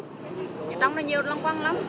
trong đó nhiều long quăng lắm